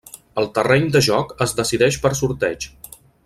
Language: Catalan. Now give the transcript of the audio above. El terreny de joc es decideix per sorteig.